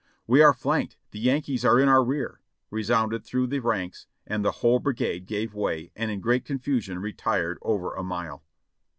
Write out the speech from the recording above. "We are flanked! The Yankees are in our rear!" resounded through the ranks, and the whole brigade gave way and in great confusion retired over a mile.